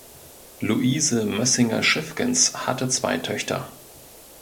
Luise Mössinger-Schiffgens hatte zwei Töchter.